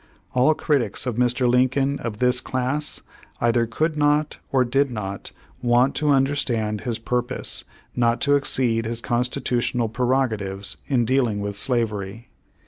All critics of Mr. Lincoln of this class either could not, or did not want to understand his purpose not to exceed his constitutional prerogatives in deal ing with slavery.